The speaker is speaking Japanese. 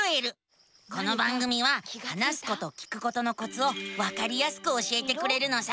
この番組は話すこと聞くことのコツをわかりやすく教えてくれるのさ。